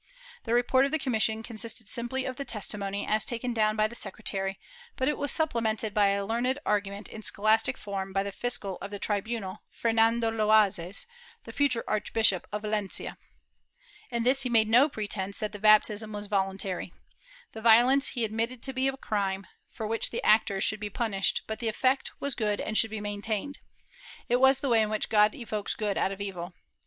The report of the commission consisted simply of the testimony, as taken down by the secretary, but it was supplemented by a learned argument in scholastic form by the fiscal of the tribunal, Fernando Loazes, the future Archbishop of Valencia. In this he made no pretence that the baptism was voluntary. The vio lence he admitted to be a crime, for which the actors should be punished, but the effect was good and should be maintained; it was the way in which God evokes good out of evil.